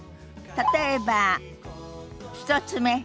例えば１つ目。